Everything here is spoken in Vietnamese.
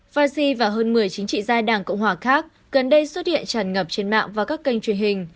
fasi và hơn một mươi chính trị gia đảng cộng hòa khác gần đây xuất hiện tràn ngập trên mạng và các kênh truyền hình